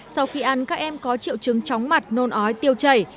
sau khi ăn các em có triệu chứng chóng mặt nôn ói tiêu chảy